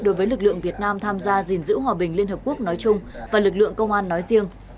đối với lực lượng việt nam tham gia gìn giữ hòa bình liên hợp quốc nói chung và lực lượng công an nói riêng